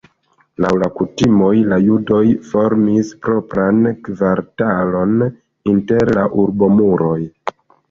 Laŭ la kutimoj la judoj formis propran kvartalon inter la urbomuroj.